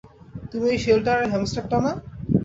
তুমি ওই শেল্টারের হ্যামস্টারটা না?